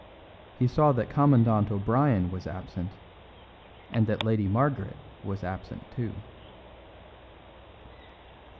He saw that Commandant O'Brien was absent, and that Lady Margaret was absent too.